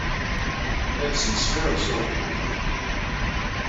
Llan smesxiren s uɣdebbu-inu.